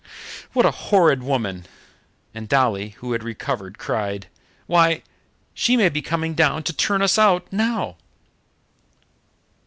"What a horrid woman!" And Dolly, who had recovered, cried, "Why, she may be coming down to turn us out now!"